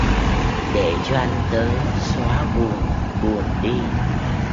Để cho anh tới xóa buồn buồn đi